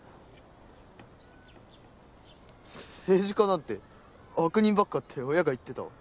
せ政治家なんて悪人ばっかって親が言ってたわ。